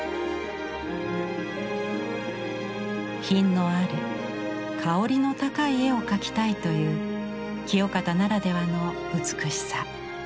品のある香りの高い絵を描きたいという清方ならではの美しさ。